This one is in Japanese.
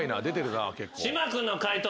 島君の解答